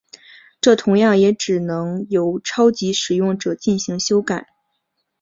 这同样也只能由超级使用者进行修改。